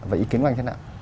và ý kiến của anh thế nào